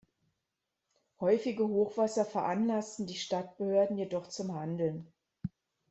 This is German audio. Häufige Hochwasser veranlassten die Stadtbehörden jedoch zum Handeln.